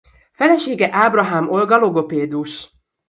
Felesége Ábrahám Olga logopédus.